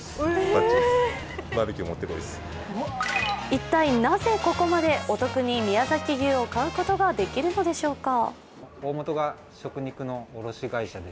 一体なぜここまでお得に宮崎牛を買うことができるのでしょうか？